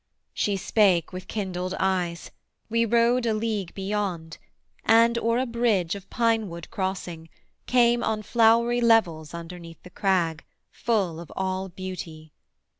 She spake With kindled eyes; we rode a league beyond, And, o'er a bridge of pinewood crossing, came On flowery levels underneath the crag, Full of all beauty.